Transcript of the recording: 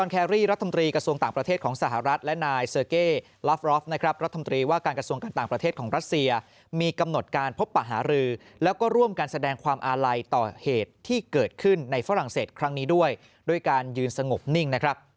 เกิดขึ้นในฝรั่งเศสครั้งนี้ด้วยด้วยการยืนสงบนิ่ง